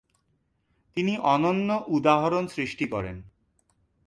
তিনি অনন্য উদাহরণ সৃষ্টি করেন।